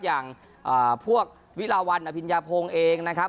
อย่างพวกวิราวรรณอะพินยาโพงเองนะครับ